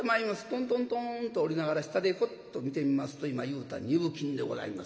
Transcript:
トントントンッと下りながら下でふっと見てみますと今言うた二分金でございますから驚いた。